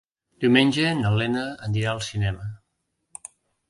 Diumenge na Lena anirà al cinema.